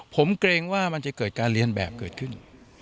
ผมเกรงว่ามันจะเกิดการเรียนแบบเกิดขึ้น